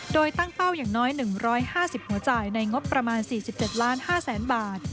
โดยตั้งเป้าอย่างน้อย๑๕๐หัวจ่ายในงบประมาณ๔๗๕๐๐๐๐บาท